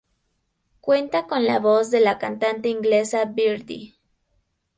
Cuenta con la voz de la cantante inglesa Birdy.